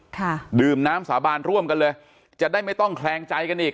ค่ะดื่มน้ำสาบานร่วมกันเลยจะได้ไม่ต้องแคลงใจกันอีก